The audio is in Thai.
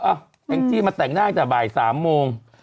เอ้าแอ้งจี้มาแต่งหน้าจากบ่าย๓โมง